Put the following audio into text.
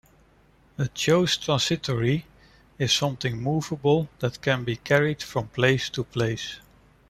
A chose transitory is something movable, that can be carried from place to place.